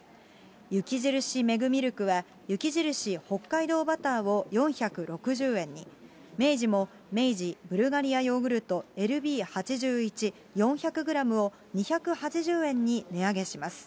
雪印メグミルクは、雪印北海道バターを４６０円に、明治も明治ブルガリアヨーグルトＬＢ８１、４００グラムを２８０円に値上げします。